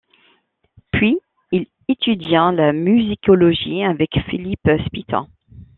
Puis il étudia la musicologie avec Philipp Spitta.